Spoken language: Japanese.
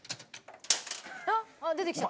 あっ出てきた。